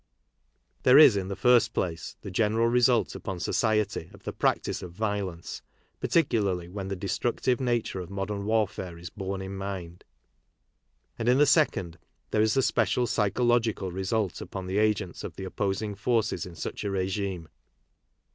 There is, in the first place, the general result upon society of the practice of violence, particularly when the destructive nature of modern warfare is borne in mind ; and, in the^ second, there is the special psychological result upon the agents of the opposing forces in such a regime.